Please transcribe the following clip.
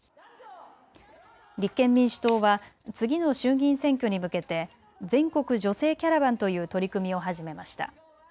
立憲民主党は次の衆議院選挙に向けて全国女性キャラバンという取り組みを始めました。